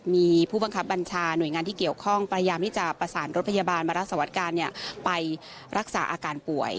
มีผู้บังคับบัญชาหน่วยงานที่เกี่ยวข้องพยายามที่จะประสานรถพยาบาลมารับสวัสดิการไปรักษาอาการป่วย